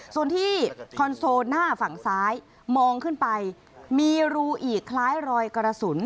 ส่วนที่คอนโซลหน้าฝั่งซ้ายมองขึ้นไปมีรูอีกคล้ายรอยกระสุน